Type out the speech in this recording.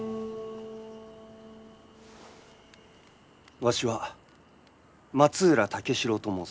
わしは松浦武四郎と申す。